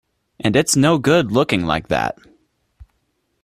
And it's no good looking like that.